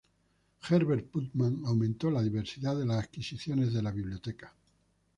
Herbert Putnam aumentó la diversidad en las adquisiciones de la Biblioteca.